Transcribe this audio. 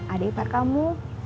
adek par kamu